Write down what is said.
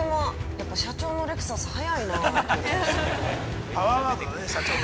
やっぱ、社長のレクサス早いな到着するの。